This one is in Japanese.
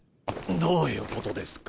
どういうことですか？